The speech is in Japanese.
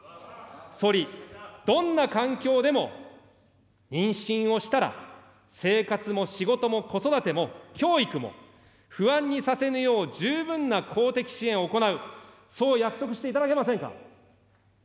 総理、どんな環境でも妊娠をしたら、生活も仕事も子育ても教育も、不安にさせぬよう十分な公的支援を行う、そう約束していただけませんか。